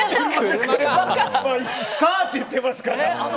スターって言ってますから。